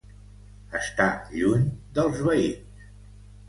Estar lluny dels veïns.